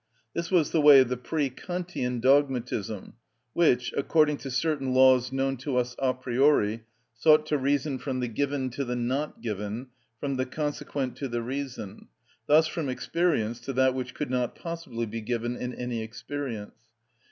This was the way of the pre Kantian dogmatism, which, according to certain laws known to us a priori, sought to reason from the given to the not given, from the consequent to the reason, thus from experience to that which could not possibly be given in any experience.